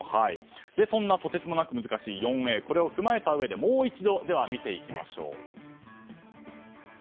そんなとてつもなく難しい４Ａこれを踏まえたうえでもう一度見ていきましょう。